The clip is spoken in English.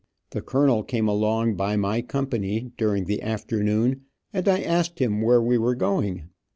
The colonel came along by my company during the afternoon, and I asked him where we were going.